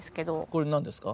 これなんですか？